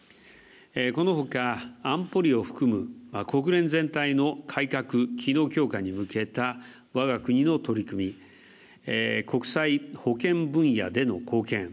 このほか、安保理を含む国連全体の改革、機能強化に向けたわが国の取り組み、国際保健分野での貢献。